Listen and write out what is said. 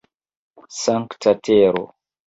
Sankta tero!